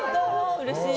うれしい！